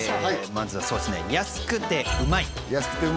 まずはそうっすね安くて旨い